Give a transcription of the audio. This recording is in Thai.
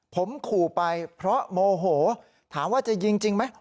ผมขู่ไปเพราะโมโหถามว่าจะยิงจริงไหม